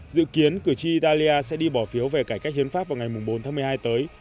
dự kiến cử tri italia sẽ đi bỏ phiếu về cải cách hiến pháp vào ngày bốn tháng một mươi hai tới